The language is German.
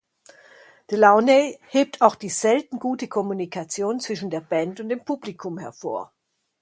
Delaunay hebt auch die selten gute Kommunikation zwischen der Band und dem Publikum hervor.